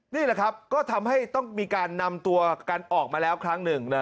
นี่แหละครับก็ทำให้ต้องมีการนำตัวกันออกมาแล้วครั้งหนึ่ง